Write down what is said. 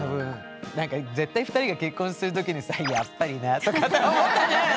絶対２人が結婚する時にさ「やっぱりな」とかって思ったんじゃないの？